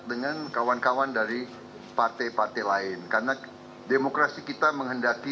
dengan kawan kawan dari partai partai lain karena demokrasi kita menghendaki